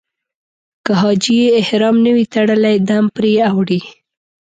که حاجي احرام نه وي تړلی دم پرې اوړي.